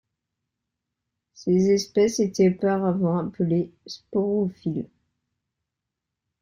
Ses espèces étaient auparavant appelées sporophiles.